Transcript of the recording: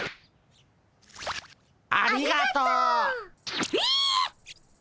ありがとう。えっ！